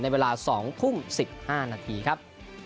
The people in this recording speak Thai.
เวลา๒ทุ่ม๑๕นาทีครับ